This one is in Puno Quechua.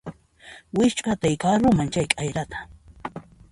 Wikch'uhatay karuman chay k'ayrata